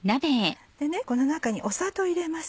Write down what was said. この中に砂糖を入れます